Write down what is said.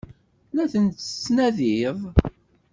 La tent-tettnadiḍ?